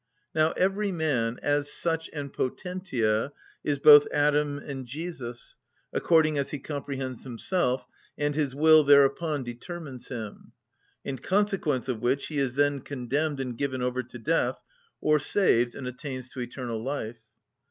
Now every man, as such and potentiâ, is both Adam and Jesus, according as he comprehends himself, and his will thereupon determines him; in consequence of which he is then condemned and given over to death, or saved and attains to eternal life.